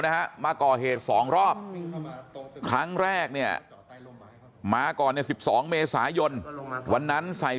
นะฮะมาก่อเหตุ๒รอบครั้งแรกเนี่ยมาก่อนเนี่ย๑๒เมษายนวันนั้นใส่